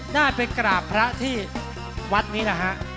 ได้ไปกราบพระที่วัดนี้นะฮะ